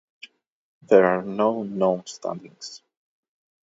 There are no known standings.